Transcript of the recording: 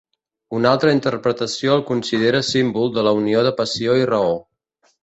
Una altra interpretació el considera símbol de la unió de passió i raó.